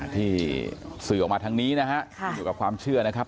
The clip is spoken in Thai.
ที่สื่อออกมาทางนี้นะฮะอยู่กับความเชื่อนะครับ